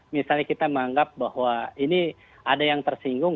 misalnya kita menganggap bahwa ini ada yang tersinggung